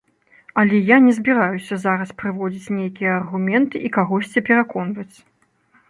Але я не збіраюся зараз прыводзіць нейкія аргументы і кагосьці пераконваць.